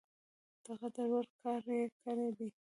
د قدر وړ کار یې کړی دی.